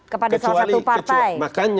kepada salah satu partai